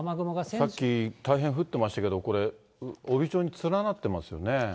さっき大変降ってましたけど、これ、帯状に連なってますよね。